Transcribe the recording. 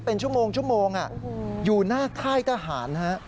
เป็นชั่วโมงอยู่หน้าค่ายทหารนะครับ